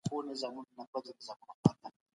رښتينی انسان به د فساد پر وړاندي ودرېږي.